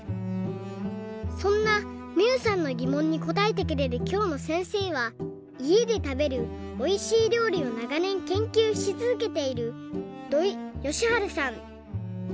そんなみゆさんのぎもんにこたえてくれるきょうのせんせいはいえでたべるおいしいりょうりをながねんけんきゅうしつづけている土井善晴さん。